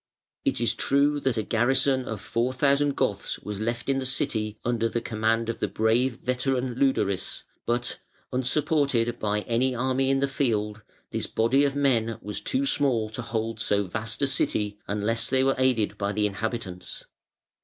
It is true that a garrison of four thousand Goths was left in the city under the command of the brave veteran Leudaris, but, unsupported by any army in the field, this body of men was too small to hold so vast a city unless they were aided by the inhabitants.